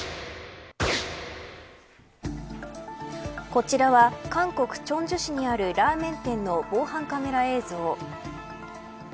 こちらは韓国清州市にあるラーメン店の防犯カメラ映像。